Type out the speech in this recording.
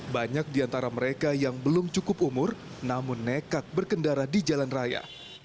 banyak di antara mereka yang belum cukup umur namun nekat berkendara di jalan raya